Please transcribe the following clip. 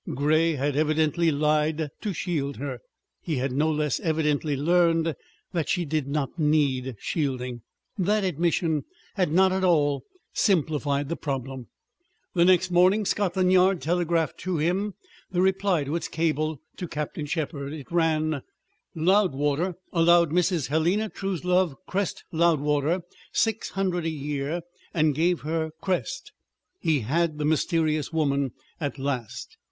Grey had evidently lied to shield her. He had no less evidently learned that she did not need shielding. That admission had not at all simplified the problem. The next morning Scotland Yard telegraphed to him the reply to its cable to Captain Shepherd. It ran: Loudwater allowed Mrs. Helena Truslove Crest Loudwater six hundred a year and gave her Crest. He had the mysterious woman at last!